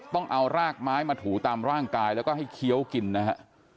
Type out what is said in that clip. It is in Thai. ต้องเอารากไม้มาถูตามร่างกายแล้วก็ให้เคี้ยวกินนะฮะ